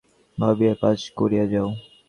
কোন দুঃখ, কোন দুর্গতির কথা না ভাবিয়া কাজ করিয়া যাও।